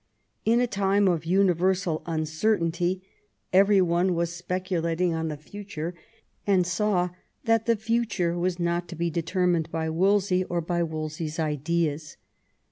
In a time of universal xmcertainty every one was speculating on the future, and saw that the future was not to be determined by Wolsey or by Wolsey's ideas.